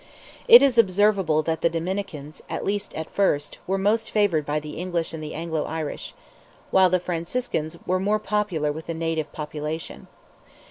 It is observable that the Dominicans, at least at first, were most favoured by the English and the Anglo Irish; while the Franciscans were more popular with the native population.